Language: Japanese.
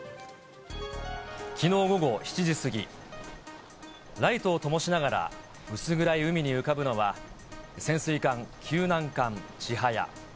きのう午後７時過ぎ、ライトをともしながら、薄暗い海に浮かぶのは、潜水艦救難艦ちはや。